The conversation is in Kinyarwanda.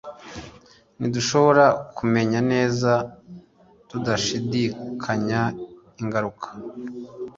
ntidushobora kumenya neza tudashidikanya ingaruka